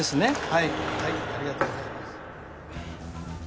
はいはいありがとうございます